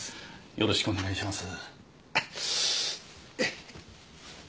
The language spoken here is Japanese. よろしくお願いします。